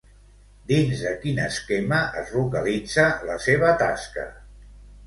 Dins de quin esquema es localitza la seva tasca?